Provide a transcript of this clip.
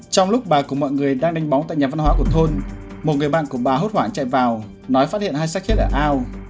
trong lúc bà cùng mọi người đang đánh bóng tại nhà văn hóa của thôn một người bạn của bà hốt hoảng chạy vào nói phát hiện hai sát hết ở ao